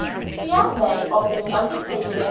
The outlay on this undertaking was £470.